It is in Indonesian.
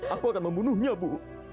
aku akan membunuhnya bu